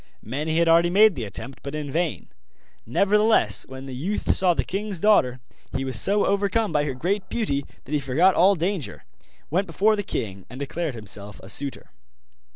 Many had already made the attempt, but in vain; nevertheless when the youth saw the king's daughter he was so overcome by her great beauty that he forgot all danger, went before the king, and declared himself a suitor.